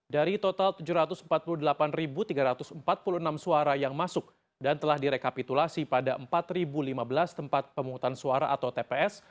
dari total tujuh ratus empat puluh delapan tiga ratus empat puluh enam suara yang masuk dan telah direkapitulasi pada empat lima belas tempat pemungutan suara atau tps